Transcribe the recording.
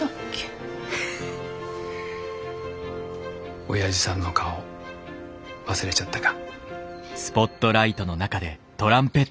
フフフおやじさんの顔忘れちゃったか？